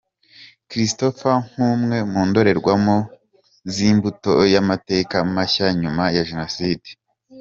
Christopher nk’umwe mu ndorerwamo z’imbuto y’amateka mashya nyuma ya Jenoside.